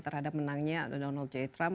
terhadap menangnya donald j trump